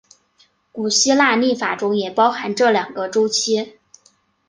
古希腊历法中也包含这两个周期。